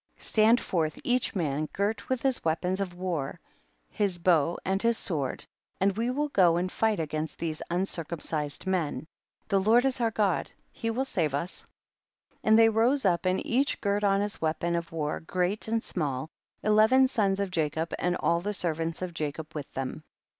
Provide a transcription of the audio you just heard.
60. Stand forth each man, girt with his weapons of war, his bow and his sword, and we will go and fight against these uncircumcised men ; the Lord is our God, he will save us. 61. And they rose up, and each girt on his weapons of war great and small, eleven sons of Jacob, and all the servants of Jacob with them.